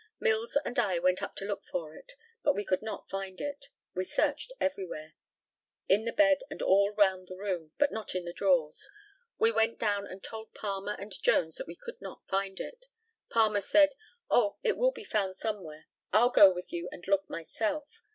Mills and I went up to look for it, but we could not find it. We searched everywhere, in the bed and all round the room, but not in the drawers. We went down and told Palmer and Jones that we could not find it. Palmer said, "Oh, it will be found somewhere. I'll go with you and look myself."